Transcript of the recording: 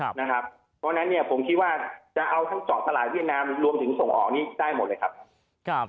เพราะฉะนั้นเนี่ยผมคิดว่าจะเอาทั้งเจาะตลาดเวียดนามรวมถึงส่งออกนี้ได้หมดเลยครับ